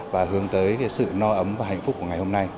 và hướng tới sự no ấm và hạnh phúc của ngày hôm nay